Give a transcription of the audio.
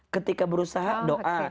ketika berusaha doa